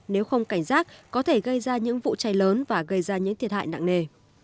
nếu không cảnh giác có thể gây ra những vụ cháy lớn và gây ra những thiệt hại nặng nề